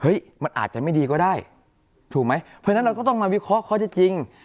มันอาจจะไม่ดีก็ได้ถูกไหมเพราะฉะนั้นเราก็ต้องมาวิเคราะห์ข้อที่จริง